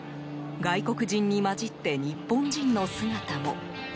外国人に交じって日本人の姿も。